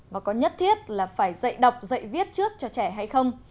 và có nhất thiết là phải dạy đọc dạy viết trước cho trẻ hay không